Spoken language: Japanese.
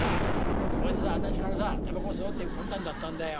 それであたしからさたばこ吸おうっていう魂胆だったんだよ。